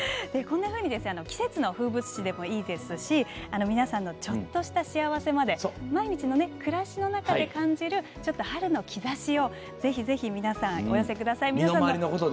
こんなふうに季節の風物詩でもいいですし皆さんの、ちょっとした幸せまで毎日の暮らしの中で感じるちょっと「春の兆し」をぜひぜひ皆さんお寄せください。